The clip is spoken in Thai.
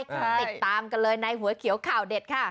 ติดตามกันเลยในหัวเขียวข่าวเด็ดค่ะ